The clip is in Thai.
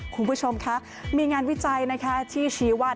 คุณผู้ชมคะมีงานวิจัยนะคะที่ชี้ว่า